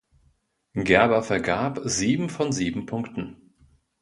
Gerber vergab sieben von sieben Punkten.